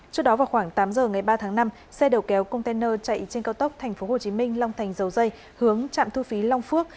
trước đó vào khoảng tám giờ ngày ba tháng năm xe đầu kéo container chạy trên cao tốc tp hcm long thành dầu dây hướng trạm thu phí long phước